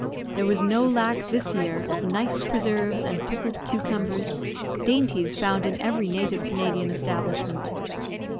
There was no lack, this year, of nice preserves and pickled cucumbers, dainties found in every native Canadian establishment.